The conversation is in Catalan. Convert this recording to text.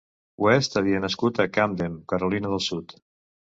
West havia nascut a Camden, Carolina del Sud.